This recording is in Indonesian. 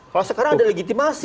kalau sekarang ada legitimasi